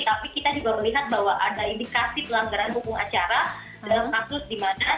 tapi kita juga melihat bahwa ada indikasi pelanggaran hukum acara dalam kasus di mana